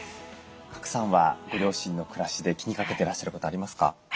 賀来さんはご両親の暮らしで気にかけてらっしゃることありますか？